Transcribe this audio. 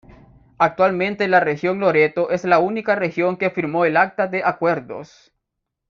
Actualmente la región Loreto es la única región que firmó el acta de Acuerdos.